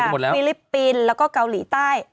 ปีเดียฟิลิปปินแล้วก็เกาหลีใต้